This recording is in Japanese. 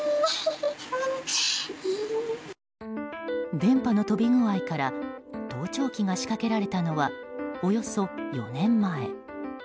電波の飛び具合から盗聴器が仕掛けられたのはおよそ４年前。